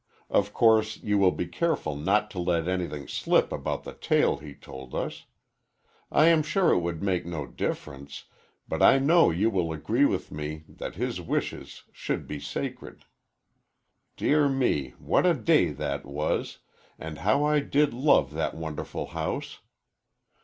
Of course you will be careful not to let anything slip about the tale he told us. I am sure it would make no difference, but I know you will agree with me that his wishes should be sacred. Dear me, what a day that was, and how I did love that wonderful house!